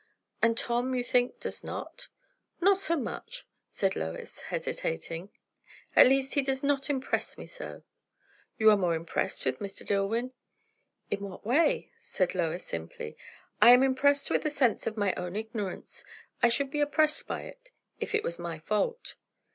"And Tom, you think, does not?" "Not so much," said, Lois hesitating; "at least he does not impress me so." "You are more impressed with Mr. Dillwyn?" "In what way?" said Lois simply. "I am impressed with the sense of my own ignorance. I should be oppressed by it, if it was my fault."